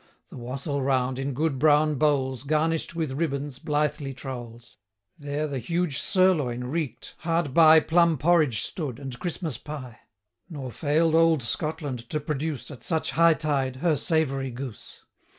The wassel round, in good brown bowls, Garnish'd with ribbons, blithely trowls. 65 There the huge sirloin reek'd; hard by Plum porridge stood, and Christmas pie: Nor fail'd old Scotland to produce, At such high tide, her savoury goose.